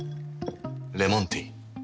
レモンティー。